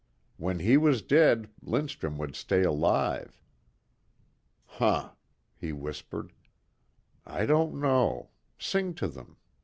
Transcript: When he was dead Lindstrum would stay alive. "Huh," he whispered, "I don't know.... Sing to them.